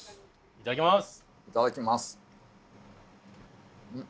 いただきます。